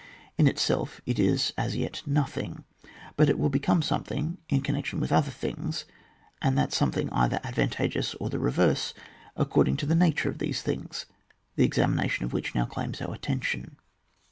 In itself, it is as yet nothing ; but it will become something in connec tion with other things, and something either advantageous or the reverse, ac cording to the nature of these things, the examination of which now claims our attention.